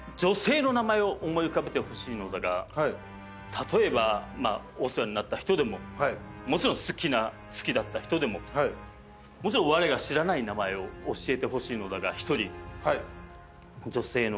例えばお世話になった人でももちろん好きな好きだった人でもわれが知らない名前を教えてほしいのだが１人女性の名前で。